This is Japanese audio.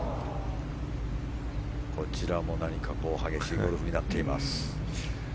こちらも何か激しいゴルフになっています。